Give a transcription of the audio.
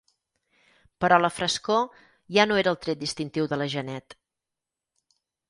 Però la frescor ja no era el tret distintiu de la Janet.